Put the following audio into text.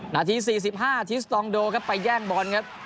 นาที๔๕อาทิตย์สตรองโดไปแย่งบอลครับ